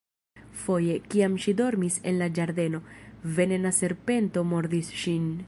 Foje, kiam ŝi dormis en la ĝardeno, venena serpento mordis ŝin.